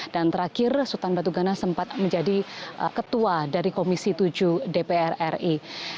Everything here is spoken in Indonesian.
dan terakhir sultan batu gana sempat menjadi ketua dari komisi tujuh dpr ri